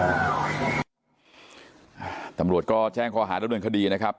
อ่าทำรวชก็แจ้งก็ด้วยคดีนะครับ